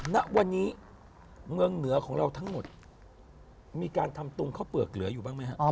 ณวันนี้เมืองเหนือของเราทั้งหมดมีการทำตุงข้าวเปลือกเหลืออยู่บ้างไหมครับ